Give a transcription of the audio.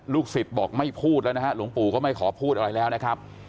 สิทธิ์บอกไม่พูดแล้วนะฮะหลวงปู่ก็ไม่ขอพูดอะไรแล้วนะครับ